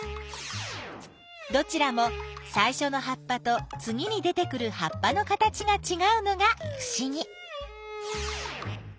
どちらもさいしょの葉っぱとつぎに出てくる葉っぱの形がちがうのがふしぎ。